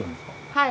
はい。